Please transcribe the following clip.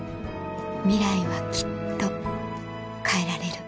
ミライはきっと変えられる